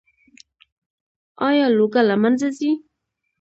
آیا لوږه له منځه ځي؟